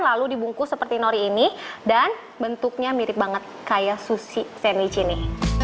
lalu dibungkus seperti nori ini dan bentuknya mirip banget kayak sushi sandwich ini